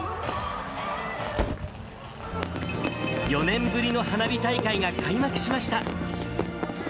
４年ぶりの花火大会が開幕しました。